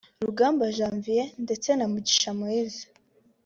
Rugamba Janvier ndetse na Mugisha Moise